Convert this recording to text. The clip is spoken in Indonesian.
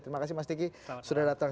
terima kasih mas diki sudah datang